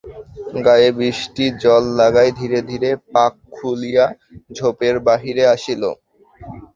গায়ে বৃষ্টির জল লাগায় ধীরে ধীরে পাক খুলিয়া ঝোপের বাহিরে আসিল।